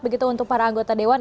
begitu untuk para anggota dewan